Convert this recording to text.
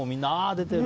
出てる！